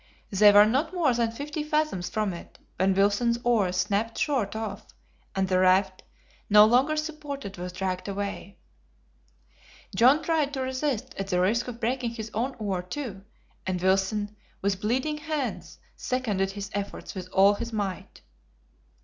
They were not more than fifty fathoms from it, when Wilson's oar snapped short off, and the raft, no longer supported, was dragged away. John tried to resist at the risk of breaking his own oar, too, and Wilson, with bleeding hands, seconded his efforts with all his might.